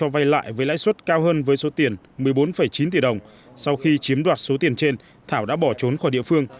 với số tiền một mươi bốn chín tỷ đồng sau khi chiếm đoạt số tiền trên thảo đã bỏ trốn khỏi địa phương